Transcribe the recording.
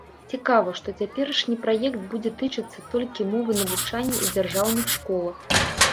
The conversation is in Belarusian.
Цікава, што цяперашні праект будзе тычыцца толькі мовы навучання ў дзяржаўных школах.